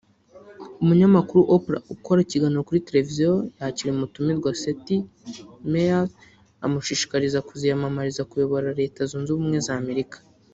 umunyamakuru Oprah ukora ikiganiro kuri televiziyo yakiriye umutumirwa Seth Meyers amushishikariza kuziyamamariza kuyobora Leta zunze ubumwe z’ Amerika